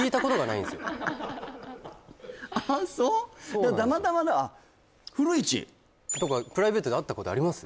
いやたまたまだあっとかプライベートで会ったことあります？